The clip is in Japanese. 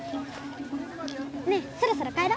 ねぇそろそろ帰ろ？